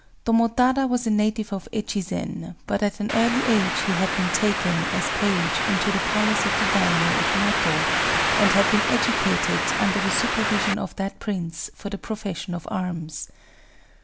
Tomotada was a native of Echizen (2); but at an early age he had been taken, as page, into the palace of the daimyō of Noto, and had been educated, under the supervision of that prince, for the profession of arms.